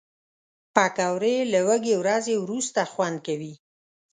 پکورې له وږې ورځې وروسته خوند کوي